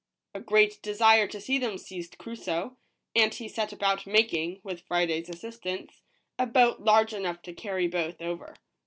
A great desire to see them seized Crusoe ; and he set about making, with Friday s assistance, a boat large enough to carry both over.